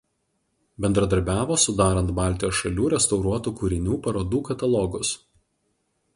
Bendradarbiavo sudarant Baltijos šalių restauruotų kūrinių parodų katalogus.